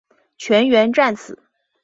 全员战死。